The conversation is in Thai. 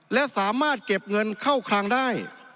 และสามารถเก็บเงินเข้าคลังได้